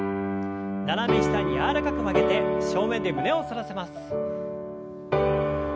斜め下に柔らかく曲げて正面で胸を反らせます。